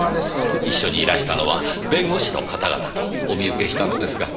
一緒にいらしたのは弁護士の方々とお見受けしたのですが。